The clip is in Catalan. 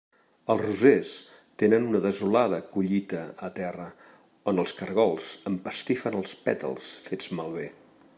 Els rosers tenen una desolada collita a terra, on els caragols empastifen els pètals fets malbé.